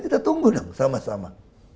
kita tunggu sama sama